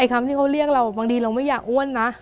คำที่เขาเรียกเราบางทีเราไม่อยากอ้วนนะ